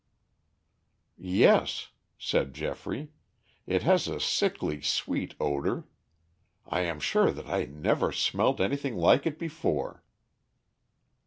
"Yes," said Geoffrey. "It has a sickly sweet odor. I am sure that I never smelt anything like it before."